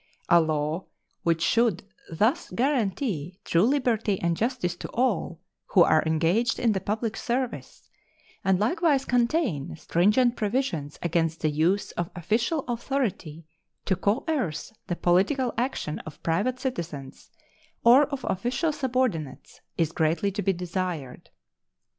A law which should thus guarantee true liberty and justice to all who are engaged in the public service, and likewise contain stringent provisions against the use of official authority to coerce the political action of private citizens or of official subordinates, is greatly to be desired.